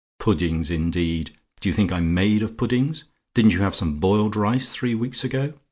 "Puddings, indeed! Do you think I'm made of puddings? Didn't you have some boiled rice three weeks ago?